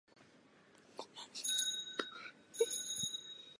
দ্রৌপদীকে দেখবার আগেই কুন্তী বলেছিলেন, তোমরা সবাই মিলে ভাগ করে নিয়ো।